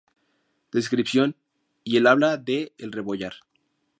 Descripción" y "El habla de El Rebollar.